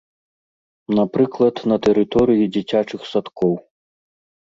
Напрыклад, на тэрыторыі дзіцячых садкоў.